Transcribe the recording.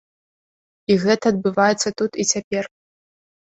І гэта адбываецца тут і цяпер.